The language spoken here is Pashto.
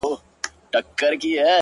او ته خبر د کوم غریب د کور له حاله یې;